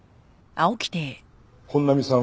本並さん